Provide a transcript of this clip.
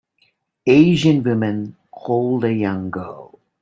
Asian women hold a young girl.